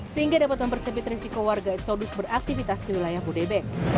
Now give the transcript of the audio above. sehingga dapat mempersepit risiko warga eksodus beraktivitas di wilayah budebek